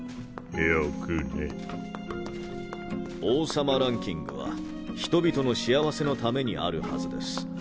王様ランキングは人々の幸せのためにあるはずです。